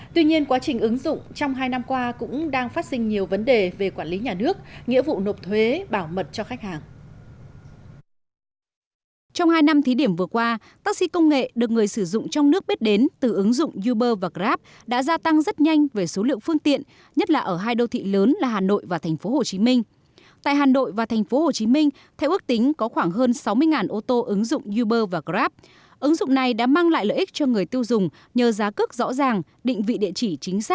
tuy nhiên quá trình ứng dụng trong hai năm qua cũng đang phát sinh nhiều vấn đề về quản lý nhà nước nghĩa vụ nộp thuế bảo mật cho khách hàng